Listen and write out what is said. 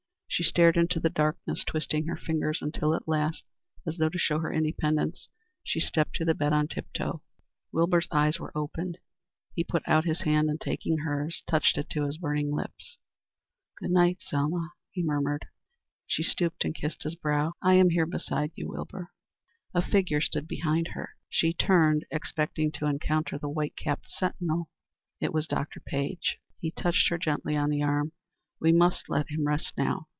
She stared into the darkness, twisting her fingers, until at last, as though to show her independence, she stepped to the bed on tip toe. Wilbur's eyes were open. He put out his hand, and, taking hers, touched it to his burning lips. "Good night, Selma," he murmured. She stooped and kissed his brow. "I am here beside you, Wilbur." A figure stood behind her. She turned, expecting to encounter the white capped sentinel. It was Dr. Page. He touched her gently on the arm. "We must let him rest now.